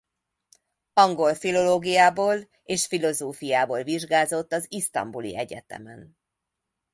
Angol filológiából és filozófiából vizsgázott az isztambuli egyetemen.